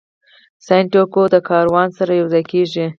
سانتیاګو د کاروان سره یو ځای کیږي.